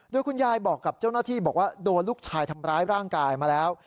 โดยคุณยายบอกกับเจ้าหน้าที่บอกว่าโดนลูกชายทำร้ายร่างกายมาแล้ว